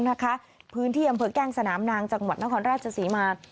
นะคะพื้นที่อำเภอแก้งสนามนางจังหวัดนครราชศรีมา